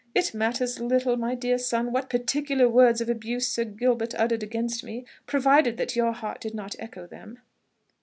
"It matters little, my dear son, what particular words of abuse Sir Gilbert uttered against me, provided that your heart did not echo them."